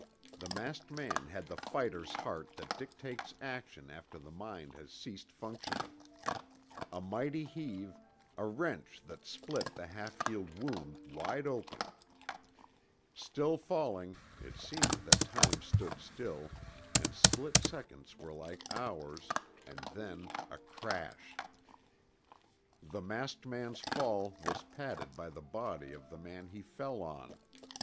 The masked man had the fighter's heart that dictates action after the mind has ceased functioning. A mighty heave a wrench that split the half healed wound wide open. Still falling it seemed that time stood still and split seconds were like hours and then a crash. The masked man's fall was padded by the body of the man he fell on.